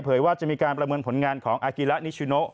ว่าจะมีการประเมินผลงานของอากิระนิชิโน